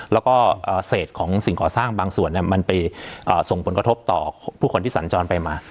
แล้วก็เศษของสิ่งก่อสร้างบางส่วนมันไปส่งผลกระทบต่อผู้คนที่สัญจรไปมา